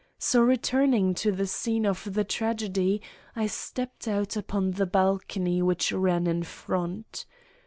So returning to the scene of the tragedy, I stepped out upon the balcony which ran in front.